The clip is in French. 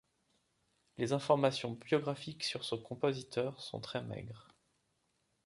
Les informations biographiques sur ce compositeur sont très maigres.